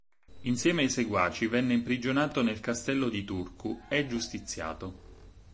Insieme ai seguaci, venne imprigionato nel castello di Turku e giustiziato.